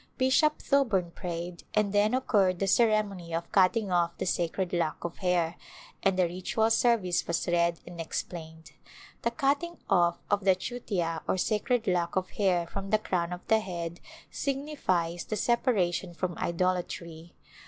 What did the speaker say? Bishop Thoburn prayed, and then occurred the ceremony of cutting off the sacred lock of hair, and the ritual service was read and ex plained. The cutting off of the chutia or sacred lock of hair from the crown of the head signifies the separa tion from idolatry.